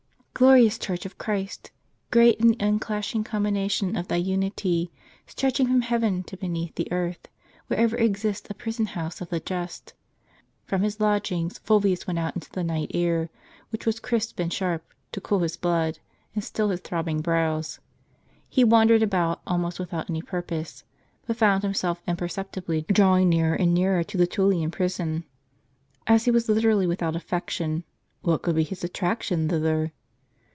Glorious Church of Christ! great in the unclashing com bination of thy unity, stretching from heaven to beneath the earth, wherever exists a prison house of the just. From his loddngs Fulvius went out into the night air, which was crisp^and sharp, to cool his blood, and still his throbbing brows. He wandered about, almost without any purpose ; but found himself imperceptibly drawing nearer and nearer to the TuUian prison. As he was literally without affection, what could be his attraction thither?